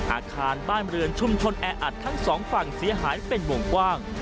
อาคารบ้านเรือนชุมชนแออัดทั้งสองฝั่งเสียหายเป็นวงกว้าง